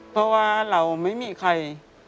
เพราะว่าเราไม่มีใคร